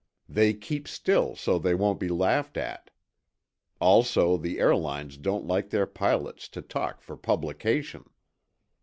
They keep still so they won't be laughed at. Also the airlines don't like their pilots to talk for publication."